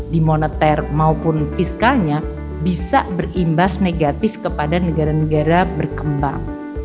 di moneter maupun fiskalnya bisa berimbas negatif kepada negara negara berkembang